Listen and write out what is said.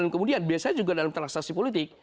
kemudian biasanya juga dalam transaksi politik